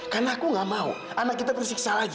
karena aku nggak mau anak kita tersiksa lagi